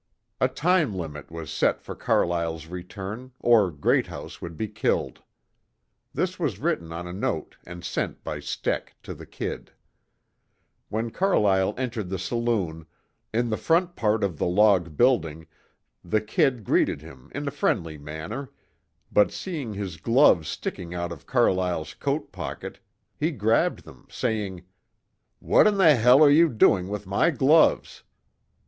A time limit was set for Carlyle's return, or Greathouse would be killed. This was written on a note and sent by Steck to the "Kid." When Carlyle entered the saloon, in the front part of the log building, the "Kid" greeted him in a friendly manner, but seeing his gloves sticking out of Carlyle's coat pocket, he grabbed them, saying: "What in the h l are you doing with my gloves?"